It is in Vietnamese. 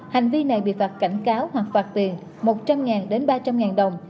hành vi này bị phạt cảnh cáo hoặc phạt tiền một trăm linh đến ba trăm linh đồng